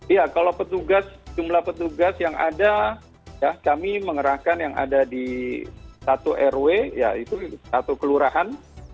iya kalau petugas jumlah petugas yang ada kami mengerahkan yang ada di satu rw ya itu satu kelurahan